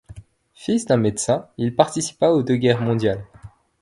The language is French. Fils d'un médecin, il participa aux deux guerres mondiales.